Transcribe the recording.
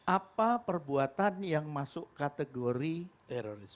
apa perbuatan yang masuk kategori teroris